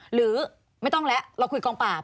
หรือไม่ต้องแล้วเราคุยกองปราบ